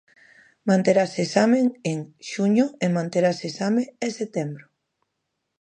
Manterase exame en xuño e manterase exame en setembro.